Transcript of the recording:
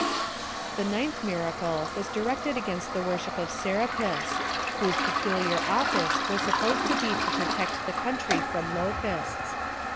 The ninth miracle was directed against the wor ship of S3rapis, whose peculiar office was supposed to be to protect the country from locusts.